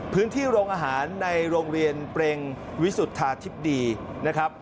พื้นที่โรงอาหารในโรงเรียนเปรงวิสุทธาทิพธ์ดีนะครับ